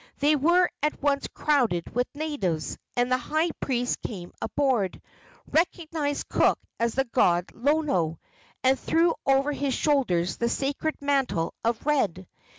They were at once crowded with natives, and the high priest came aboard, recognized Cook as the god Lono, and threw over his shoulders the sacred mantle of red.